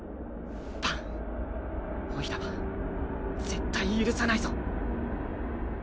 バンおいらは絶対許さないぞ。